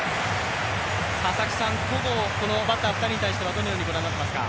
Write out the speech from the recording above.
戸郷、このバッター２人に対してはどのようにご覧になっていますか？